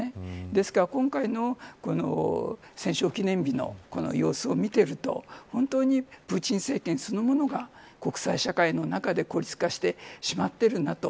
ですから、今回の戦勝記念日のこの様子を見ていると本当に、プーチン政権そのものが国際社会の中で孤立化してしまっているなと。